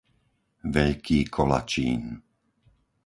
Veľký Kolačín